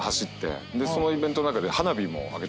そのイベントの中で。